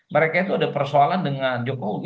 mereka itu ada persoalan dengan jokowi